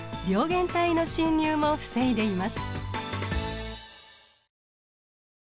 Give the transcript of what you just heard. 原体の侵入も防いでいます。